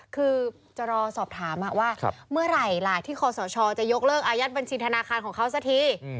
คือจะรอสอบถามว่าเมื่อไหร่ล่ะที่คอสชจะยกเลิกอายัดบัญชีธนาคารของเขาสักที